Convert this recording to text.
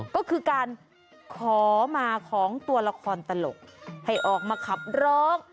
ก็คือการขอมาของตัวละครตลกให้ออกมาขับร้อง